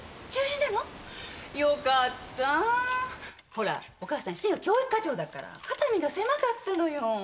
ほらお母さん市の教育課長だから肩身が狭かったのよ。